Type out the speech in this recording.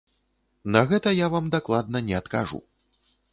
На гэта я вам дакладна не адкажу.